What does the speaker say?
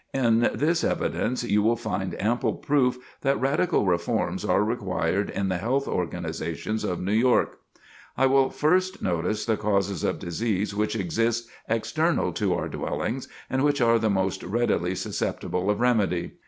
In this evidence you will find ample proof that radical reforms are required in the health organizations of New York. [Sidenote: Filthy Streets] I will first notice the causes of disease which exist external to our dwellings, and which are the most readily susceptible of remedy.